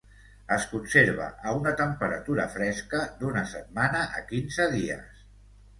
Es conserva a una temperatura fresca d'una setmana a quinze dies.